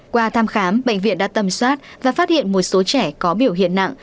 qua thăm khám bệnh viện đã tầm soát và phát hiện một số trẻ có biểu hiện nặng